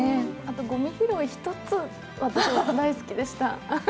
ごみ拾い一つ、私大好きでした。